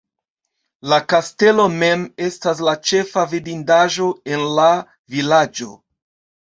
La kastelo mem estas la ĉefa vidindaĵo en la vilaĝo.